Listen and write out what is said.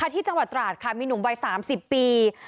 ที่จังหวัดตราดค่ะมีหนุ่มวัย๓๐ปี